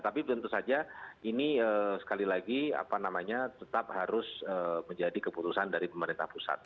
tapi tentu saja ini sekali lagi tetap harus menjadi keputusan dari pemerintah pusat